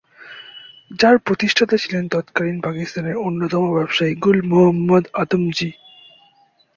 যার প্রতিষ্ঠাতা ছিলেন তৎকালীন পাকিস্তানের অন্যতম ব্যবসায়ী গুল মোহাম্মদ আদমজী।